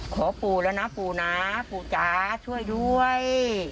ปู่แล้วนะปู่นะปู่จ๋าช่วยด้วย